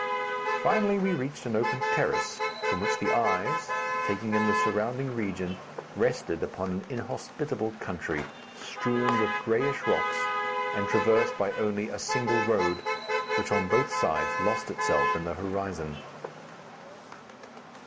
Finally we reached an open terrace, from which the eyes, taking in the surrounding region, rested upon an inhospitable country, strewn with grayish rocks and traversed by only a single road, which on both sides lost itself in the horizon.